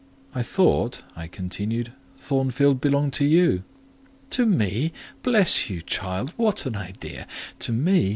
"I thought," I continued, "Thornfield belonged to you." "To me? Bless you, child; what an idea! To me!